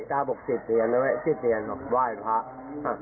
ตาบอกสิทธิ์เรียนแล้วไว้สิทธิ์เรียนบอกไว้พระหะ